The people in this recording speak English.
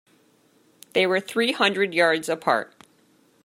They were three hundred yards apart.